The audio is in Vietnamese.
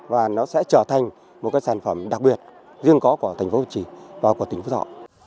và nó sẽ trở thành một sản phẩm đặc biệt riêng có của thành phố việt trì và của tỉnh khu thọ